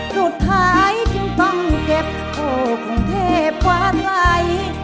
สุดท้ายจึงต้องเจ็บโอ้ของเทพศัตริย์